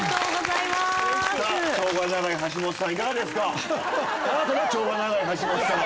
いかがですか？